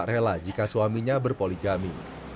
atau tak rela jika suaminya berpoligami